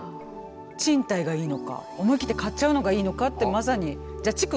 賃貸がいいのか思い切って買っちゃうのがいいのかってまさに。